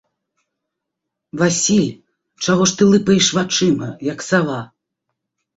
Васіль, чаго ж ты лыпаеш вачыма, як сава?